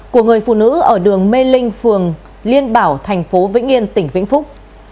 của người phụ nữ ở đường mê linh phường liên bảo thành phố vĩnh yên tỉnh vĩnh phúc